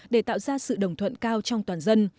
để tạo ra sự đồng thuận cao trong toàn dân